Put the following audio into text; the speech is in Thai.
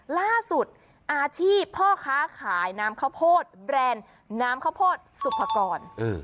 ล่าสุดอาชีพพ่อค้าขายน้ำข้าวโพดแบรนด์น้ำข้าวโพดสุภกร